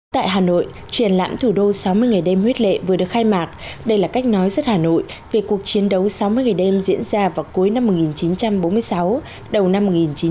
tại hà nội triển lãm thủ đô sáu mươi ngày đêm huyết lệ vừa được khai mạc đây là cách nói rất hà nội về cuộc chiến đấu sáu mươi ngày đêm diễn ra vào cuối năm một nghìn chín trăm bốn mươi sáu đầu năm một nghìn chín trăm bốn mươi năm